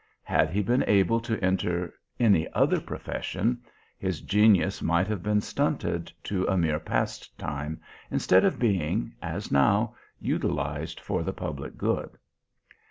Had he been able to enter any other profession, his genius might have been stunted to a mere pastime, instead of being, as now, utilised for the public good.